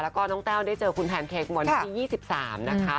แล้วก็น้องแต้วได้เจอคุณแพนเค้กวันที่๒๓นะคะ